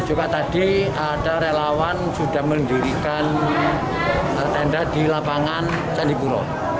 juga tadi ada relawan sudah mendirikan tenda di lapangan candipuro